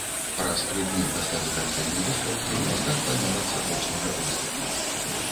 Праз тры дні пасля заканчэння выстаўкі мастак памёр ад сардэчнага прыступу.